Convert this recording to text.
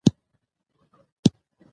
د تاریخ او کلتور په مطالعه کې رول لري.